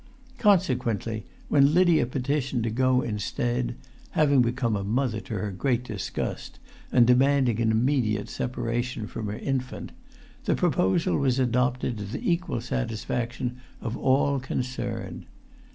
Consequently when Lydia petitioned to go instead (having become a mother to her great disgust, and demanding an immediate separation from her infant), the proposal was adopted to the equal satisfaction of all concerned.